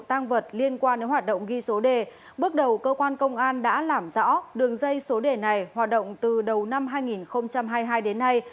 tăng vật liên quan đến hoạt động ghi số đề bước đầu cơ quan công an đã làm rõ đường dây số đề này hoạt động từ đầu năm hai nghìn hai mươi hai đến nay